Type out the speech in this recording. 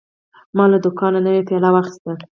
ما له دوکانه نوی پیاله واخیسته.